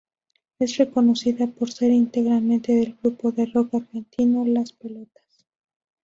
Es reconocida por ser integrante del grupo de rock argentino Las Pelotas.